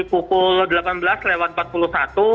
pukul delapan belas lewat empat puluh satu